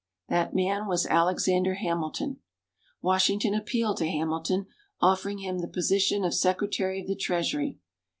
That man was Alexander Hamilton. Washington appealed to Hamilton, offering him the position of Secretary of the Treasury.